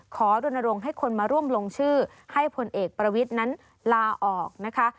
รณรงค์ให้คนมาร่วมลงชื่อให้พลเอกประวิทย์นั้นลาออกนะคะ